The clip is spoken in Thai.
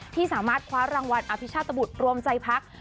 ที่สามารถคว้ารางวัลอภิชาตบุตรรวมใจพัก